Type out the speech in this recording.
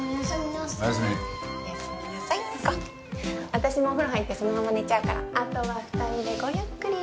私もお風呂入ってそのまま寝ちゃうからあとは２人でごゆっくり。